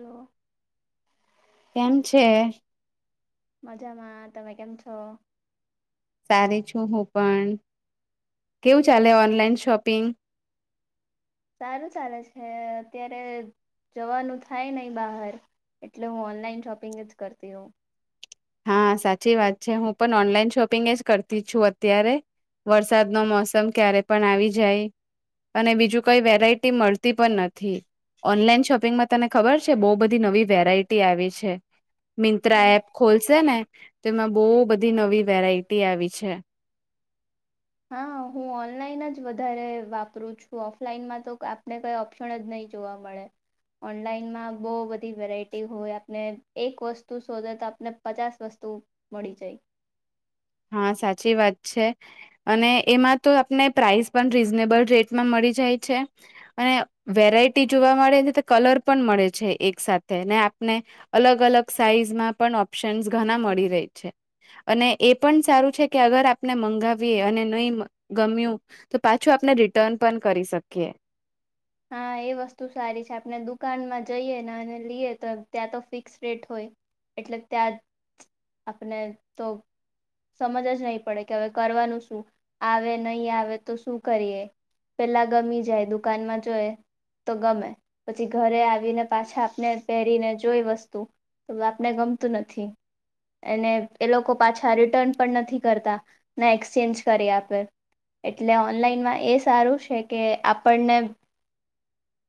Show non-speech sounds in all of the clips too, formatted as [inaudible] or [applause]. Hello કેમ છે. મજામાં તમે કેમ છો. સારી છું હું પણ કેવું? ચાલે ઓનલાઈન શોપિંગ. સારું ચાલે છે અત્યારે જવાનું થાય નહી બહાર એટલે હું ઓનલાઈન શોપિંગ જ કરતી હોઉ. હા સાચી વાત છે. હું પણ ઓનલાઈન શોપિંગ જ કરતી છું અત્યારે... વરસાદનો મોસમ ક્યારે પણ આવી જાય. અને બીજું કઈ વેરાયટી મળતી પણ નથી. ઓનલાઈન શોપિંગમાં તને ખબર છે બહુ બધી નવી વેરાયટી આવી છે. મિંત્રા હા એપ ખોલશેને તો એમાં બહુ બધી નવી વેરાયટી આવી છે. [inaudible] હા હું ઓનલાઈન જ વધારે વાપરું છું ઓફલાઈનમાં તો આ પડે કોઈ ઓપ્શન જ નહી જોવા મળે. ઓનલાઈનમાં બહુ બધી વેરાયટી હોય આપને એક વસ્ તું સોધે તો આપને પચાસ વસ્તુ મડી જાય. હા સાચી વાત છે. અને એમાં તો આપને પ્રાઇસ પણ રીઝનેબલ રેટમાં મળી જાય છે. અને વેરાયટી જોવા મળે છે તો કલર પણ મળે છે એક સાથે ને આપને અલગ અલગ સાઈઝમાં પણ ઓપ્શન્સ ઘણા મળી રહી છે અને એ પણ સારું છે કે અગર આપને મંગાવીએ અને નહી ગમ્યું તો પાછું આપણે રિટર્ન પણ કરી શકીએ. હા એ વસ્તુ સારી છે આપણે દુકાનમાં જઈએ ને અને લઈએ તો ત્યાં તો ફિક્સ રેટ હોય. એટલે ત્યાજ આપને તો સમજ જ નહી પડે કે હવે કરવાનું શું આવે નહી આવે તો શું કરીએ. પેલા ગમી જાય દુકાનમાં જો એ તો ગમે પછી ઘરે આવીને પાછા આપને પહેરીને જોઈ વસ્તુ તો આપને ગમતું નથી. અને એ લોકો પાછા રિટર્ન પણ નથી કરતા ના એક્સચેન્જ કરી આપે. એટલે ઓનલાઈનમાં એ સારું છે કે આપણને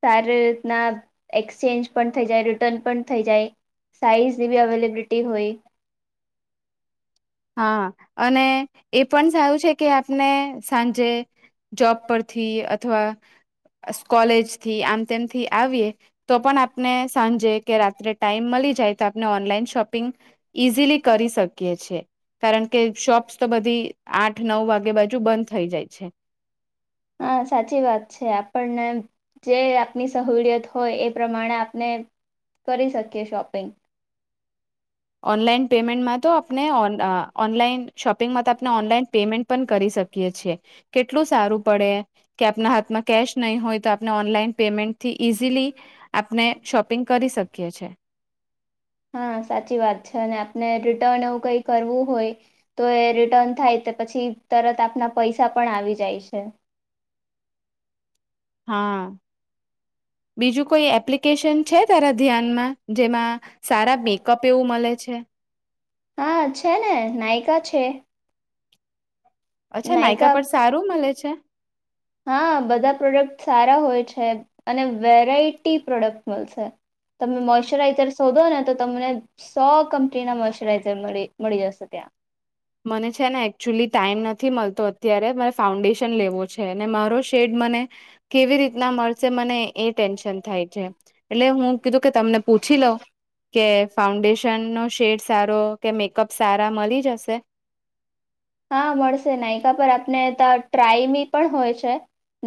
સારી રીતના એક્સચેન્જ પણ થઇ જાય રિટર્ન પણ થઇ જાય. સાઈઝી એવી અવેલેબિલિટી હોય. હા અને એ પણ સારું છે કે આપને સાંજે જોબ પરથી અથવા કોલેજથી આમ તેમથી આવીએ. તો પણ આપને સાંજે કે રાત્રે ટાઈમ મળી જાય તો આપને ઓનલાઈન શોપિંગ ઈઝીલી કરી શકીએ છીએ. કારણ કે શોપ્સ તો બધી આઠ નવ વાગે બાજુ બંધ થઈ જાય છે. હા, સાચી વાત છે આપણને જે આપની સહુડીયત હોય એ પ્રમાણે આપણે કરી શકીએ શોપિંગ. ઓનલાઈન પેમેન્ટમાં તો આપને ઓન-ઓનલાઈન શોપિંગમાં તો આપણે ઓનલાઈન પેમેન્ટ પણ કરી શકીએ છીએ. કેટલું સારું પડે કે આપણા હાથમાં કેશ નહીં હોય તો આપણે ઓનલાઈન પેમેન્ટ થી ઈઝીલી આપણે શોપિંગ કરી શકીએ છે. હા, સાચી વાત છે અને આપણે રિટર્ન એવું કંઈ કરવું હોય તો એ રિટર્ન થાય તો પછી તરત આપણા પૈસા પણ આવી જાય છે. હા. બીજું કોઈ એપ્લિકેશન છે. તારા ધ્યાનમાં જેમાં સારા કપેવું મળે છે. હા, છે ને, નાયકા છે. અચ્છા, નાયકા પર સારું મળે છે? હા, બધા પ્રોડક્ટ સારા હોય છે અને વેરાયટી પ્રોડક્ટ હોય છે. તમે મોઈશ્ચરાઈઝર શોધો ને, તો તમને સો કંપનીના મોઈશ્ચરાઈઝર મળી મળી જશે ત્યાં. મને છેને એકટુઅલી ટાઈમ નથી મળતો અત્યારે, [unintelligible] ફાઉન્ડેશન લેવું છે ને, મારો શેડ મને કેવી રીતના મળશે મને, એનું ટેન્શન થાય છે. એટલે હું કીધું કે તમને પૂછી લઉં કે ફાઉન્ડેશન. ફાઉન્ડેશન શેડ સારો કે મેકપ સારા મલી જશે? હા, મળશે નાયકા પર આપને તો ટ્રાય બી પણ હોય છે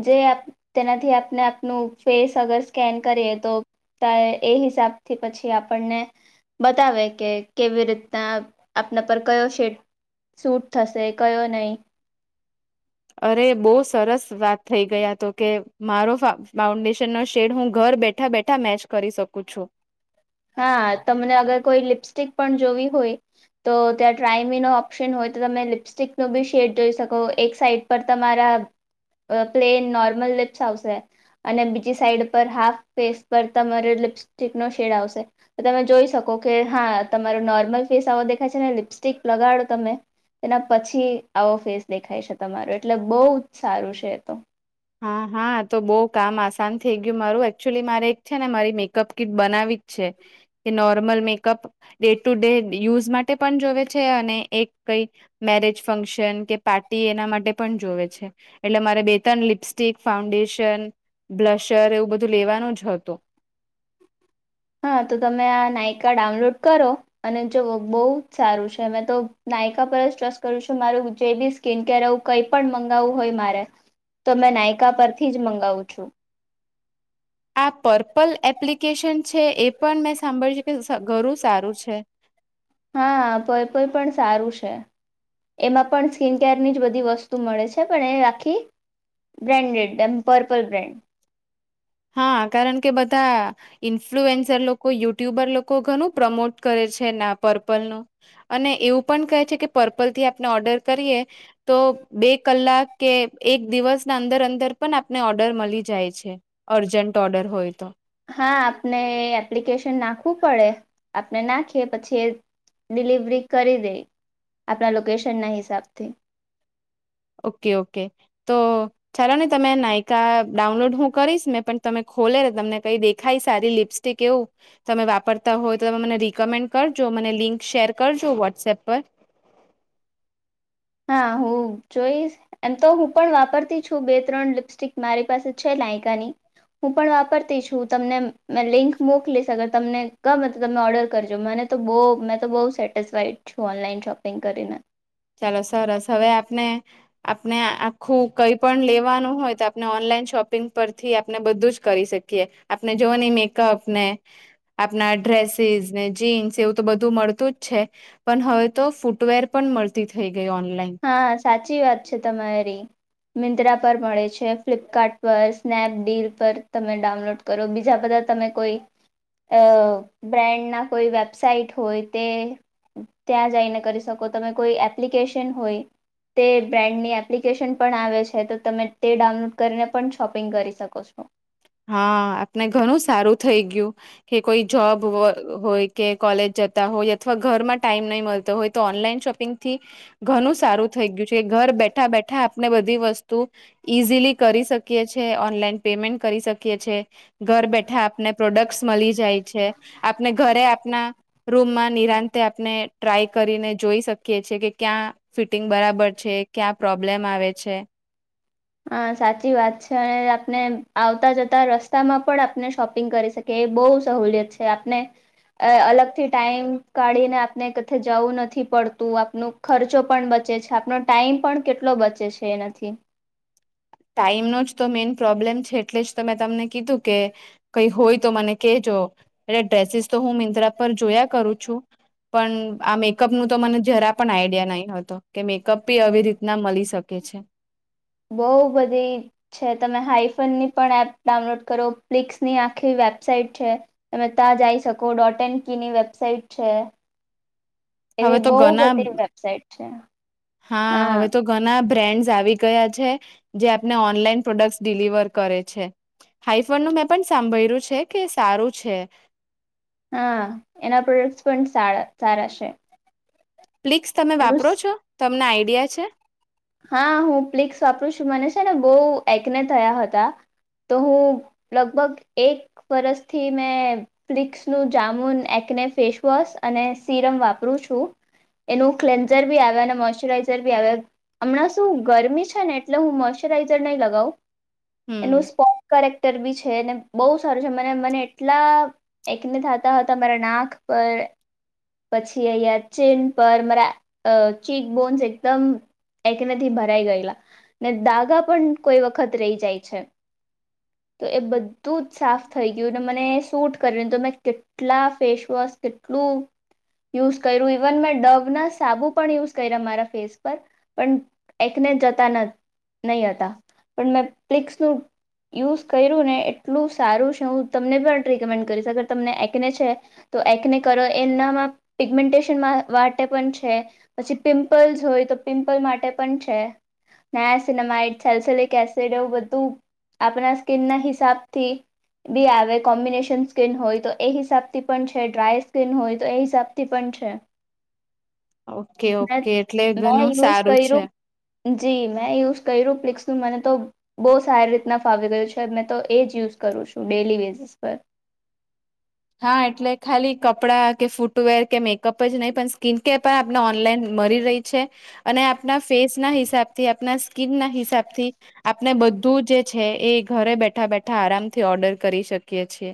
જે આપ તેનાથી આપને આપણો ફેસ અગર સ્કેન કરે તો. તા એ હિસાબથી પછી આપણને. બતાવે કે કેવી રીતના આપણા પર કયો શેડ સૂટ થશે કયો નહીં. અરે, બહુ સરસ વાત થઈ ગઈ! આ તો કે મારો ફા ફાઉન્ડેશનનો શેડ હું ઘર બેઠાં-બેઠા. તા મેચ કરી શકું છું. હા, તમને અગર કોઈ લિપસ્ટિક પણ જોવી હોય. તો ત્યાં ટ્રાય-મીનો ઑપ્શન હોય તો તમે લિપસ્ટિકનો પણ શેડ જોઈ શકો, એક સાઈડ. પણ તમારા અ પ્લેન નોર્મલ લિપ્સ આવશે. અને બીજી સાઈડ પર હાફ ફેસ પર તમારે લિપસ્ટિકનો શેડ આવશે. તો તમે જોઈ શકો કે, હા, તમારો નોર્મલ ફેસ આવો દેખાય છે અને લિપસ્ટિક લગાડો તમે. એના પછી આવો ફેસ દેખાય છે તમારો, એટલે બહુ જ સારું છે એ તો. હા હા, તો બહુ કામ આસાન થઈ ગયું મારું. એકચુલી મારે એક છે મારી મેકઅપ કિટ બનાવવી જ છે. કે નોર્મલ મેકઅપ ડે-ટુ-ડે યુઝ માટે પણ જોવે છે અને એક કંઈ મેરેજ ફંક્શન કે પાર્ટી એના માટે પણ જોવે છે, એટલે મારે બે-ત્રણ લિપસ્ સ્ટિક, ફાઉન્ડેશન, બ્લશર એવું બધું લેવાનું જ હતું. હા તો તમે આ નાયકા ડાઉનલોડ કરો અને જો બહુ જ સારું છે. મેં તો નાયકા પર જ ટ્રસ્ટ કરું છું મારું જે બી ઇસ્કીન કેર એવું કાઇક પર મગાવુ હોય મારે તો મે નાયકા પરથી જ મંગાવુ છું. આ પર્પલ એપ્લિકેશન છે, એ પણ મેં સાંભળી છે કે ઘણુ સારુ છે. હા, પર્પલ પણ સારું છે. એમાં પણ સ્કિનકેરની જ બધી વસ્તુ મળે છે, પણ એ આખી. બ્રાન્ડેડ, એમ પર્પલ બ્રાન્ડ. હા, કારણ કે બધા. ઇન્ફ્લુએન્સર લોકો યુટ્યુબર લોકો ધણુ પ્રમોટ કરે છે ને અ પરપલ નુ. અને એવું પણ કહે છે કે પર્પલ થી આપણે ઓર્ડર કરીએ. તો બે કલાક કે એક દિવસની અંદર-અંદર પણ આપણને ઓર્ડર મળી જાય છે. અર્જન્ટ ઓર્ડર હોય તો. હા, આપણે એપ્લિકેશન નાખવુ પડે. આપણે નાખીએ પછી. ડિલિવરી કરી દે, આપણા લોકેશનના હિસાબથી. ઓકે ઓકે, તો. ચાલો ને તમે નાયકા ડાઉનલોડ હું કરીશ ને પણ તમે ખોલે ને તમને કઈ દેખાય સારી લિપ્સ ટિક એવું. તમે વાપરતા હોય તો તમે મને રિકમેન્ડ કરજો મને લિંક શેર કરજો વોટ્સએપ પર હા હું જોઈશ. એમ તો હું પણ વાપરતી છું બે ત્રણ લિપસ્ટિક મારી પાસે છે નાયકાની હું પણ વાપરતી છું તમને મે લિંક મોકલીશ અગર તમને ગમે તો તમે ઓર્ડર કરજો મને તો બહુ મેં તો બહુ સેટિસફાઈડ છું ઓનલાઈન શોપિંગ કરીને. સરસ સરસ હવે આપને. આપણે આખું કઈ પણ લેવાનું હોય તો આપણે ઓનલાઈન શોપિંગ પરથી આપણે બધું જ કરી શકી કીઈ આપને જોવો ને મેકપ ને. આપના ડ્રેસીસ ને જીન્સ એવું તો બધું મળતું જ છે પણ હવે તો ફૂટવેર પણ મળતી થઈ ગઈ ઓનલાઈન હા સાચી વાત છે તમારી મિંત્રા પર મળે છે ફ્લિપકાર્ટ પર સ્નેપડીલ પર તમે ડાઉનલોડ કરો બીજા બધા તમે કોઈ અ બ્રેન્ડના કોઈ વેબસાાઈટ હોય તે ત્યાં જઈને કરી શકો તમે કોઈ એપ્લિકેશન હોય તે બ્રાન્ડની એપ્લિકેશન પણ આવે છે તો તમે તે ડાઉનલોડ કરીને પણ શોપિંગ કરી શકો છો હા આપને ઘણું સારું થઈ ગયું કે કોઈ જોબ હોય કે કોલેજ જતા હોય અથવા ઘરમાં ટાઈમ નહીં મળતો હોય તો ઓનલાઈન શોપિંગ થી ઘનું સારું થઈ ગયું છે ઘર બેઠા બેઠા આપણે બધી વસ્તુ ઈઝીલી કરી શકીએ છીએ ઓનલાઈન પેમેન્ટ કરી શકીએ છે ઘર બેઠા આપને પ્રોડક્ટસ મલી જાય છે આપને ઘરે આપના રૂમમાં નિરાંતે આપને ટ્રાય કરીને જોઈ શકીએ છીએ કે ક્યાં ફિટિંગ બરાબર છે ક્યાં પ્રોબ્લેમ આવે છે હા સાચી વાત છે અને આપને આવતા જતા રસ્તામાં પણ આપણે શોપિંગ કરી શકી એ બહુ સહુલિયત છે આપને અ અલગથી ટાઈમ કાઢીને આપને કશે જાવું નથી પડતું આપનું ખર્ચો પણ બચે છે આપનો ટાઈમ પણ કેટલો બચે છે એનાથી ટાઈમનો જ તો મેઇન પ્રોબ્લેમ છે એટલે જ તો મેં તમને કીધું કે કઈ હોય તો મને કહેજો એટલે ડ્રેસીસ તો હું મિંત્રા પર જોયા કરું છું પણ આ મેકઅપનું તો મને જરા પણ આઈડિયા નહી હતો કે મેકઅપ બી આવી રીતના મલી શકે છે. બહુ બધી છે તમે હાઈફોનની પણ એપ ડાઉનલોડ કરો પ્લિક્સની આખી વેબસાઇટ છે. તમે તા જાઈ શકો ડોટ એન કીની વેબસાઇટ છે હવે એવી તો બઉ ઘણા બધી વેબસાઇટ છે હા ઘના બ્રેન્ડસ આવી ગયા છે જે આપને ઓનલાઈન પ્રોડક્ટ ડિલિવર કરે છે. હાઈફડનું મેં પણ સાંભરયુ છે કે સારું છે હા એના પ્રોડક્ટસ પણ સાડા-સારા છે પ્લિક્સ તમે એનું વાપરો છો તમને આઈડિયા છે હા હું પ્લિક્સ વાપરું છું મને છે બઉ એકને થયા હતા. તો હું લગભગ એક વરષથી મેં પ્લિક્સનું જામુન એકને ફસવોશ અને સીરમ વાપરું છું. એનું ક્લેન્ઝર બી આવે અને મોશચરાઈઝર બી આવે હમણાં શું ગરમી છે ને એટલે હું મોશ્ચરાઈઝર નહી લગાઉ હમ એનું સ્પ કરેક્ટર બી છે ને બહુ સારું છે મને મને એટલા એકને થાતા હતા મારા નાક પર પછી અહંયા ચીન પર, મારા ચીક બોન્સ એકદમ. એકને થી ભરાઈ ગયેલા ને દાગા પણ કોઈ વખત રહી જાય છે. તો એ બધું જ સાફ થઈ ગયું ને મને સૂટ કરને તો મેમે કેટલા ફેશવોશ કેટલું. યુઝ કર્યું. ઇવન મેં ડવ ના સાબુ પણ યુઝ કર્યા મારા ફેસ પર. પણ એકને જતા નહી હતા. પણ મેં પ્લિક્સ નુ. યુઝ કર્યું ને, એટલું સારું છે. હું તમને પણ રિકમેન્ડ કરીશ. અગર તમને એકને છે. તો એકને કરો. એનામાં પિગમેન્ટેશન માટે પણ છે. પછી પિમ્પલ્સ હોય તો, પિમ્પલ માટે પણ છે. નેન્સિનામિડ સેલ્સલીક એસિડ એવું બધું આપળા સ્કીન ના હિસાબથી બી આવે. કોમ્બિનેશન સ્કીિન હોય તો, એ હિસાબથી પણ છે. ડ્રાય સ્કીન હોય તો, એ હિસાબથી પણ છે. ઓકે ઓકે મેં એટલે ઘણું મેં યુઝ સારું કર્યું છે. જી મેં યુઝ કર્યુ પ્લિક્સનુ મને તો બહુ સારી રીતના ફાવી ગયું છે. મેં તો એ જ યુઝ કરું છું ડેલી બેઝિસ પર. હા એટલે ખાલી કપડા કે, ફૂટવેર કે, મેકઅપ જ નહીં પણ સ્કીનકેર પણ આપને ઓનલાઈન મળી રહી છે. અને આપના ફેસ ના હિસાબ થી, આપના સ્કીન ના હિસાબથી આપને બધું જે છે, એ ઘરે બેઠા બેઠા આરામથી ઓર્ડર કરી શકીએ છીએ.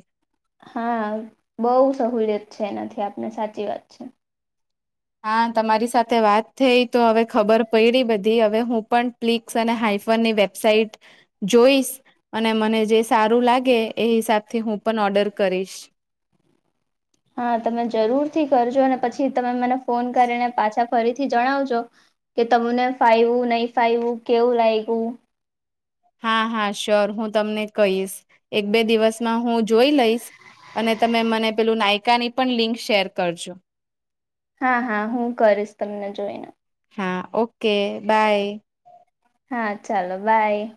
હા બઉુ સહુલિયત છે એનાથી આપને સાચી વાત છે. હા, તમારી સાથે વાત થઈ તો, હવે ખબર પડી બધી. હવે હું પણ ફ્લિક્સ અને હાઈફોન ની વેબસાઇટ જોઈશ. અને મને જે સારું લાગે, એ હિસાબથી હું પણ ઓર્ડર કરીશ. હા, તમે જરૂર થી કરજો. અને પછી તમે મને ફોન કરીને, પાછા ફરીથી જણાવજો. કે તમને ફાઈવું, નહી ફાઈવું, કેવું લાઈગું? હા હા! શ્યોર. હું તમને કહીશ. એક બે દિવસમાં હું જોઈ લઈશ. અને તમે મને પેલું નાયકાની પણ લિંક શેર કરજો. હા હા, હું કરીશ તમને જોઈને. હા, ઓકે બાય. હા! ચાલો બાય.